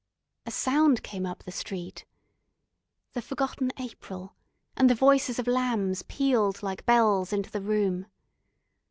A sound came up the street.... The forgotten April and the voices of lambs pealed like bells into the room....